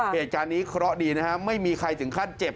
เหตุการณ์นี้เคราะห์ดีนะฮะไม่มีใครถึงขั้นเจ็บ